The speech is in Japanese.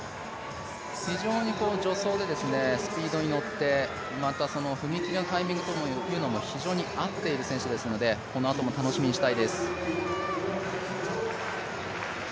非常に助走でスピードに乗って、踏み切りのタイミングも非常に合っている選手ですので、このあとも楽しみにしたいです。